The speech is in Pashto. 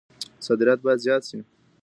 صادرات بايد زيات سي.